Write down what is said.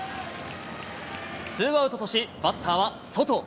ツーアウトとし、バッターはソト。